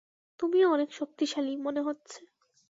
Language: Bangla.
তুমিও অনেক শক্তিশালী, মনে হচ্ছে।